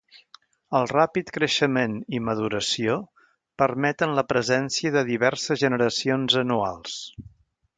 El ràpid creixement i maduració permeten la presència de diverses generacions anuals.